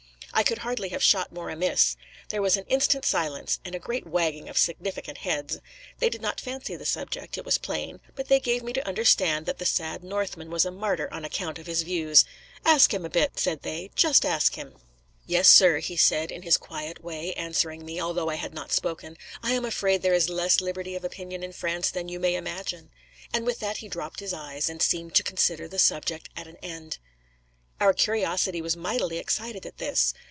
I could hardly have shot more amiss. There was an instant silence, and a great wagging of significant heads. They did not fancy the subject, it was plain; but they gave me to understand that the sad Northman was a martyr on account of his views. 'Ask him a bit,' said they. 'Just ask him.' 'Yes, sir,' said he in his quiet way, answering me, although I had not spoken, 'I am afraid there is less liberty of opinion in France than you may imagine.' And with that he dropped his eyes, and seemed to consider the subject at an end. Our curiosity was mightily excited at this.